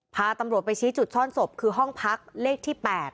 พาตำรวจไปชี้จุดซ่อนศพคือห้องพักเลขที่๘